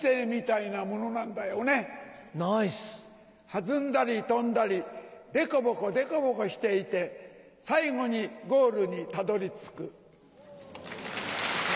弾んだり飛んだりでこぼこでこぼこしていて最後にゴールにたどり着く。